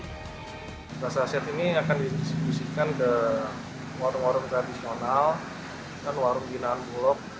beras saset ini akan disiklusikan ke warung warung tradisional dan warung kinaan bulog